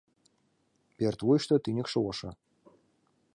Пӧрт вуйышто тӱньыкшӧ ошо